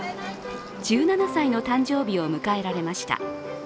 １７歳の誕生日を迎えられました。